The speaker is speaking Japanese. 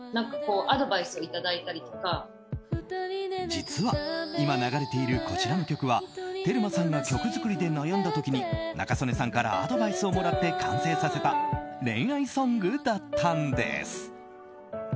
実は、今流れているこちらの曲はテルマさんが曲作りで悩んだ時に仲宗根さんからアドバイスをもらって完成させた恋愛ソングだったんです。